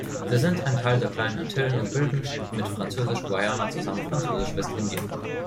Sie sind ein Teil der Kleinen Antillen und bilden mit Französisch-Guayana zusammen Französisch-Westindien.